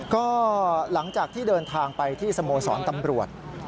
ก็หลังจากที่เดินทางไปที่สโมสรตำรวจ